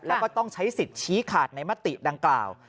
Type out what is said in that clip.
แล้วก็ต้องใช้สิทธิ์ชี้ขาดในมติดังกล่าว